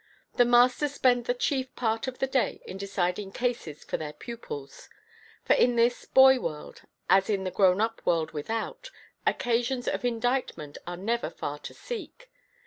The masters spend the chief part of the day in deciding cases for their pupils: for in this boy world, as in the grown up world without, occasions of indictment are never far to seek.